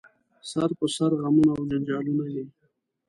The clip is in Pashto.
سر په سر غمونه او جنجالونه دي